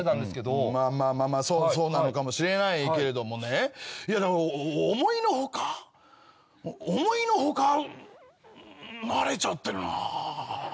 まあまあそうなのかもしれないけれどもねいや思いの外思いの外慣れちゃってるなぁ。